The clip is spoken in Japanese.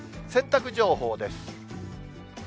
洗濯情報です。